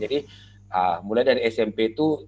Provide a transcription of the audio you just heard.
jadi mulai dari smp itu